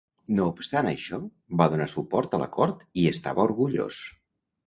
No obstant això, va donar suport a l'acord i estava orgullós.